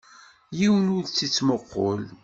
Yiwen ur tt-ittmuqqul.